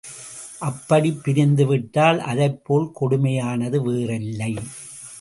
அப்படிப் பிரிந்து விட்டால் அதைப்போல் கொடுமையானது வேறில்லை.